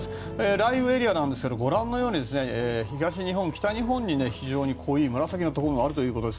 雷雨エリアなんですがご覧のように東日本、北日本に非常に濃い紫のところがあるということです。